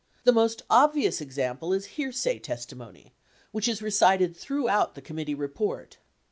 The most obvious example is hearsay testimony, which is recited throughout the committee report.